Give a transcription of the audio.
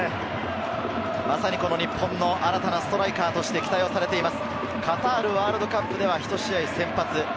まさに日本の新たなストライカーとして期待をされています。